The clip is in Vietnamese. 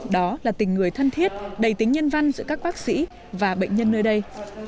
đó là tình người thân thiết đầy tính nhân văn giữa các bác sĩ và bệnh nhân nơi đây